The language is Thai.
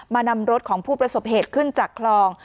นำรถของผู้ประสบเหตุขึ้นจากคลอง